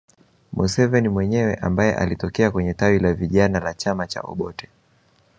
Museveni mwenyewe ambaye alitokea kwenye tawi la vijana la chama cha Obote